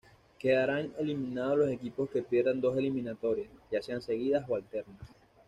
Quedarán eliminados los equipos que pierdan dos eliminatorias, ya sean seguidas o alternas.